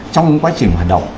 trong quá trình hoạt động